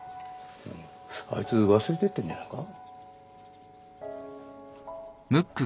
あいつ忘れてってんじゃないか？